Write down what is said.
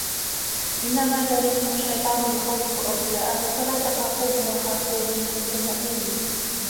إِنَّمَا ذَلِكُمُ الشَّيْطَانُ يُخَوِّفُ أَوْلِيَاءَهُ فَلَا تَخَافُوهُمْ وَخَافُونِ إِنْ كُنْتُمْ مُؤْمِنِينَ